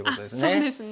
そうですね。